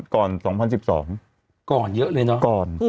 ก่อนเยอะเลยเนอะ